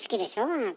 あなた。